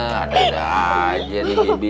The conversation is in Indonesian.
hah ada ada aja nih bibi